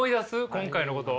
今回のことを。